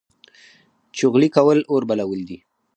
چغلي کول اور بلول دي